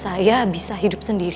saya bisa hidup sendiri